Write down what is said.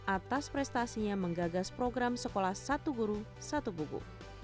atas prestasinya menggagas program sekolah satu guru satu buku